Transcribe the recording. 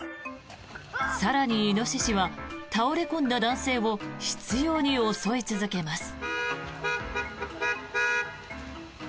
更に、イノシシは倒れ込んだ男性を執ように襲い続けます。